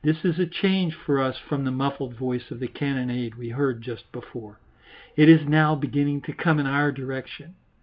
This is a change for us from the muffled voice of the cannonade we heard just before; it is now beginning to come in our direction.